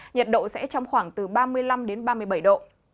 nhiệt độ sẽ trong khoảng từ ba mươi năm đến ba mươi bảy độ